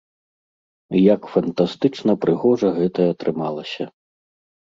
І як фантастычна прыгожа гэта атрымалася.